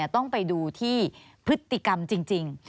ต้องไปดูที่พฤติกรรมจริง